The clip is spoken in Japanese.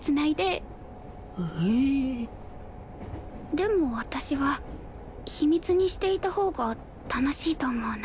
でも私は秘密にしていたほうが楽しいと思うな。